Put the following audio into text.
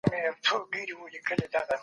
تاسو باید نوي اقتصادي میتودونه وکاروئ.